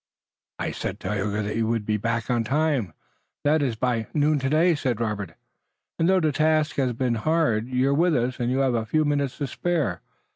"I said, Tayoga, that you would be back on time, that is by noon today," said Robert, "and though the task has been hard you're with us and you have a few minutes to spare.